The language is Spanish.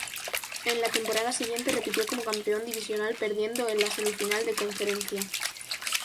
En la temporada siguiente repitió como campeón divisional perdiendo en la semifinal de conferencia.